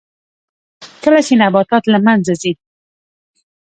کله چې نباتات له منځه ځي